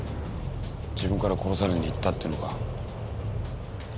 自分から殺されに行ったってのか？